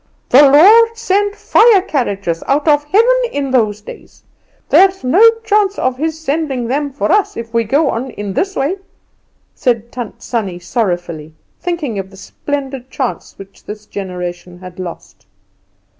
The Lord sent fire carriages out of heaven in those days: there's no chance of His sending them for us if we go on in this way," said Tant Sannie sorrowfully, thinking of the splendid chance which this generation had lost.